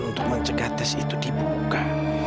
untuk mencegah tes itu dibuka